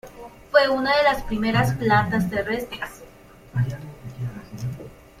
Fue una de las primeras plantas terrestres.